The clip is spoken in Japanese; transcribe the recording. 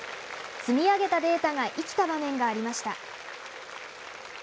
積み上げたデータが生きた場面がありました。